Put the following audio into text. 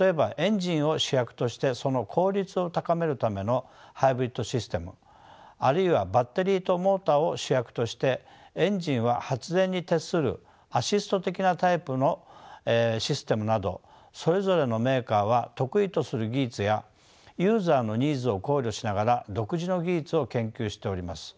例えばエンジンを主役としてその効率を高めるためのハイブリッドシステムあるいはバッテリーとモーターを主役としてエンジンは発電に徹するアシスト的なタイプのシステムなどそれぞれのメーカーは得意とする技術やユーザーのニーズを考慮しながら独自の技術を研究しております。